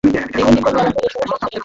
দেখ ডিম্পল, পালামপুরের সহজ-সরল ছেলে আমি।